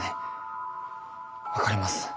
分かります。